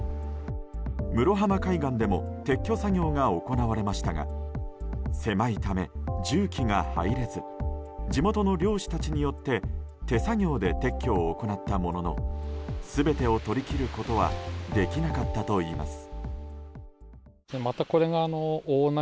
室浜海岸でも撤去作業が行われましたが狭いため、重機が入れず地元の漁師たちによって手作業で撤去を行ったものの全てを取りきることはできなかったといいます。